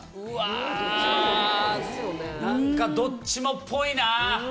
うわ何かどっちもぽいな。